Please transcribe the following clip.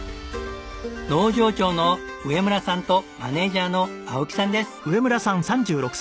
農場長の上村さんとマネージャーの青木さんです。